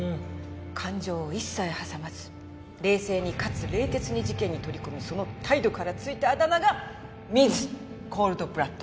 感情を一切挟まず冷静にかつ冷徹に事件に取り組むその態度から付いたあだ名がミズ・コールドブラッド。